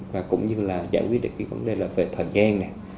và cũng như là giải quyết được cái vấn đề là về thời gian này